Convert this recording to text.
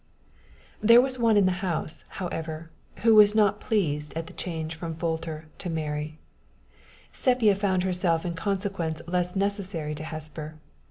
There was one in the house, however, who was not pleased at the change from Folter to Mary: Sepia found herself in consequence less necessary to Hesper.